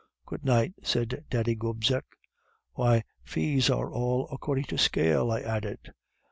"'Good night,' said Daddy Gobseck. "'Why, fees are all according to scale,' I added.